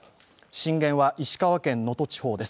震源は石川県、能登地方です。